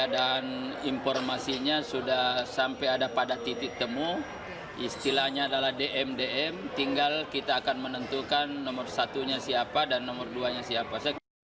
dan informasinya sudah sampai ada pada titik temu istilahnya adalah dm dm tinggal kita akan menentukan nomor satunya siapa dan nomor duanya siapa